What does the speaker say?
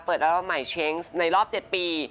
เปิดรอบใหม่เช็งส์ในรอบ๗ปี